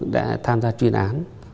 đã tham gia chuyên án